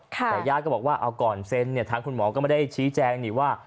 แต่ญาติก็บอกว่าเอาก่อนเซ็นเนี่ยทางคุณหมอก็ไม่ได้ชี้แจงนี่ว่า